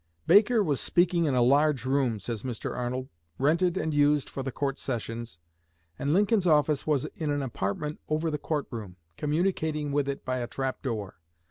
"Baker was speaking in a large room," says Mr. Arnold, "rented and used for the court sessions, and Lincoln's office was in an apartment over the court room, communicating with it by a trap door.